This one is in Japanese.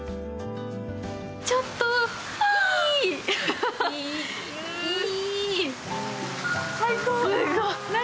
ちょっと、いい。